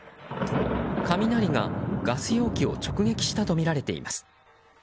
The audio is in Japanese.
雷が、ガス容器を直撃したとみられています。